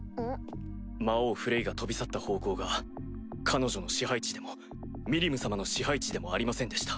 魔王フレイが飛び去った方向が彼女の支配地でもミリム様の支配地でもありませんでした。